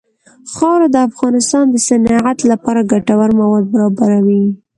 خاوره د افغانستان د صنعت لپاره ګټور مواد برابروي.